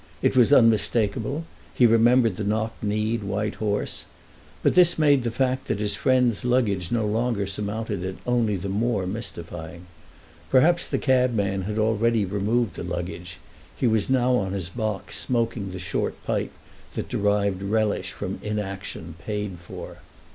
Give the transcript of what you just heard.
It was unmistakable—he remembered the knock kneed white horse; but this made the fact that his friend's luggage no longer surmounted it only the more mystifying. Perhaps the cabman had already removed the luggage—he was now on his box smoking the short pipe that derived relish from inaction paid for.